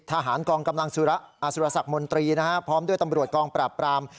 ทหารกองกำลังสุรสักมนตรีพร้อมด้วยตำรวจกองปราบปราม